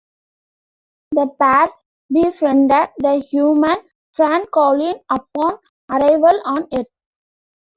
The pair befriended the human Francolin upon arrival on earth.